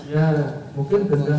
ya mungkin gendam juga karena